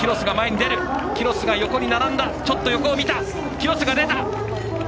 キロスが出た！